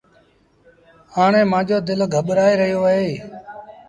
هآڻي مآݩجو دل گٻرآئي رهيو اهي۔